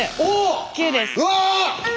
うわ！